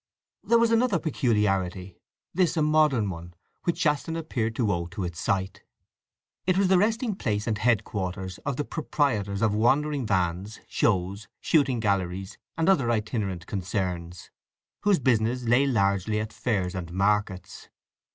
There was another peculiarity—this a modern one—which Shaston appeared to owe to its site. It was the resting place and headquarters of the proprietors of wandering vans, shows, shooting galleries, and other itinerant concerns, whose business lay largely at fairs and markets.